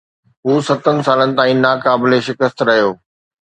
هو ستن سالن تائين ناقابل شڪست رهيو.